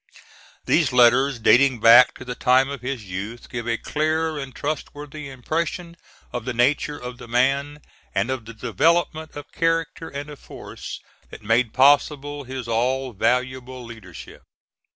These letters, dating back to the time of his youth, give a clear and trustworthy impression of the nature of the man and of the development of character and of force that made possible his all valuable leadership.